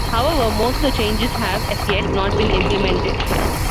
However, most of the changes have, as yet, not been implemented.